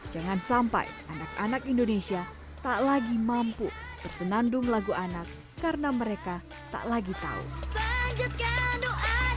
jangan sampai anak anak indonesia tak lagi mampu bersenandung lagu anak karena mereka tak lagi tahu